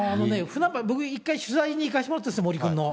僕ね、１度取材に行かせてもらったんですよ、森君の。